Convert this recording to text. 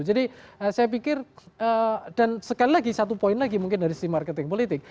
jadi saya pikir dan sekali lagi satu poin lagi mungkin dari sisi marketing politik